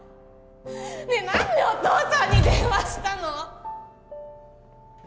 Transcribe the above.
ねえ何でお父さんに電話したの？